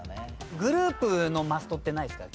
グループのマストってないですか？